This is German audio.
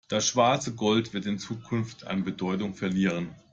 Das schwarze Gold wird in Zukunft an Bedeutung verlieren.